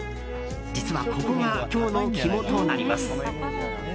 実は、ここが今日の肝となります。